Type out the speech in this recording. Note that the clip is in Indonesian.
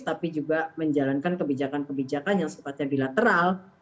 tapi juga menjalankan kebijakan kebijakan yang sifatnya bilateral